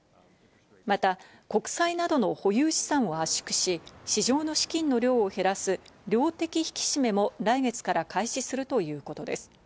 また国債などの保有資産を圧縮し、市場の資金の量を減らす量的引き締めも来月から開始するということです。